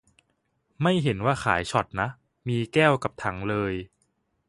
ไม่เห็นว่าขายช็อตนะ มีแก้วกับถังเลย